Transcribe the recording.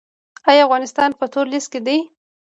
آیا افغانستان په تور لیست کې دی؟